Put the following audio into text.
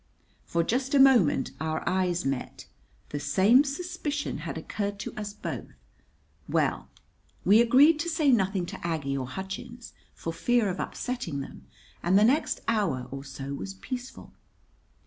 For just a moment our eyes met. The same suspicion had occurred to us both. Well, we agreed to say nothing to Aggie or Hutchins, for fear of upsetting them, and the next hour or so was peaceful.